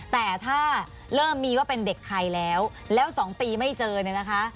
แต่ถ้าเริ่มมีว่าเป็นเด็กไทยแล้วแล้ว๒ปีไม่เจอเนี่ยนะคะ